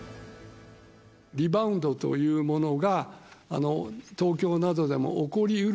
リバウンドというものが東京などでも起こりうる。